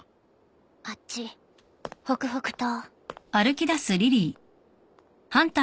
あっち北北東。